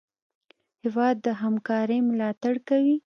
هېواد د همکارۍ ملاتړ کوي.